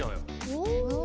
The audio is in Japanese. お。